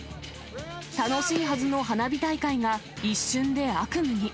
楽しいはずの花火大会が、一瞬で悪夢に。